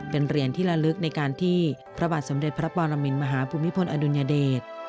เป็นเหรียญที่ละลึกในการที่พระบาทสมเด็จพระปรมินมหาภูมิพลอดุลยเดช